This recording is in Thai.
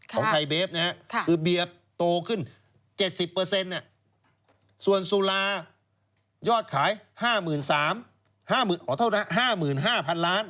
ของไทยเบฟนะฮะคือเบียร์โตขึ้น๗๐ส่วนสุรายอดขาย๕๕๐๐๐ล้าน